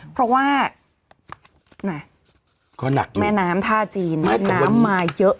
เพราะว่าแม่น้ำทาจีนน้ำมาเยอะเลยทีเดียว